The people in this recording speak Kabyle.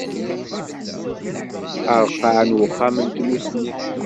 Areqqeɛ n Uxxam n Tmusni.